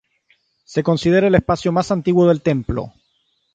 Se considera el espacio más antiguo del templo.